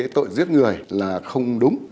tội giết người là không đúng